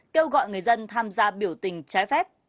kêu gọi người dân tham gia biểu tình trái phép